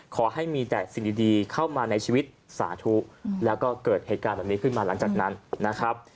ขอให้มีแต่สิ่งดีเข้ามาในชีวิตสาธุแล้วก็เกิดเหตุการณ์แบบนี้ขึ้นมาหลังจากนั้นนะครับ